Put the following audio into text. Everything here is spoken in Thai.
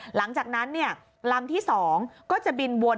หลังจากนั้นลำที่๒ก็จะบินวน